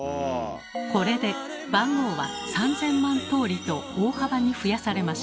これで番号は３，０００万通りと大幅に増やされました。